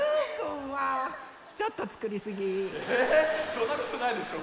そんなことないでしょ！